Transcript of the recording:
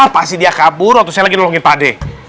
pas dia kabur waktu saya lagi nolongin pak d